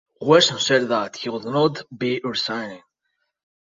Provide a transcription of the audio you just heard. Western said that he would not be resigning.